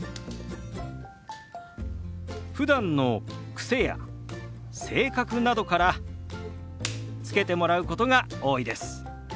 ふだんの癖や性格などから付けてもらうことが多いです。